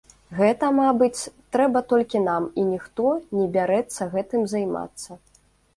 Гэта, мабыць, трэба толькі нам і ніхто не бярэцца гэтым займацца.